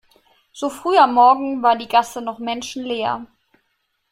So früh am Morgen war die Gasse noch menschenleer.